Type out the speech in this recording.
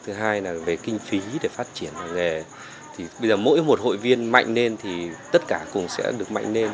thứ hai là về kinh phí để phát triển nghề thì bây giờ mỗi một hội viên mạnh lên thì tất cả cùng sẽ được mạnh lên